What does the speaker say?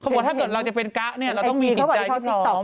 เขาบอกว่าถ้าเกิดเราจะเป็นก๊ะเราต้องมีกิจจัยขึ้นท้อง